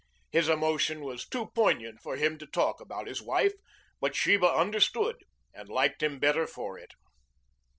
His emotion was too poignant for him to talk about his wife, but Sheba understood and liked him better for it.